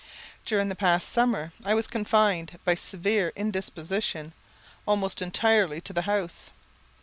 During the past summer I was confined, by severe indisposition, almost entirely to the house.